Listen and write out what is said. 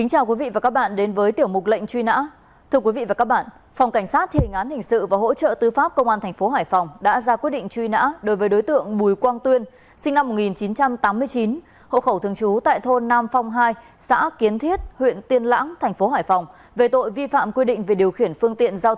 hãy đăng ký kênh để ủng hộ kênh của chúng mình nhé